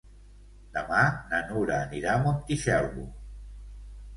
Demà na Nura anirà a Montitxelvo.